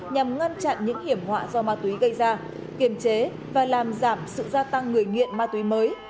nhằm ngăn chặn những hiểm họa do ma túy gây ra kiềm chế và làm giảm sự gia tăng người nghiện ma túy mới